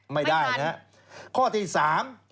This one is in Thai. ไม่ได้นะฮะข้อที่สาม